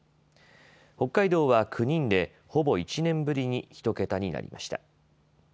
北海道は９人で、ほぼ１年ぶりに１桁になりました。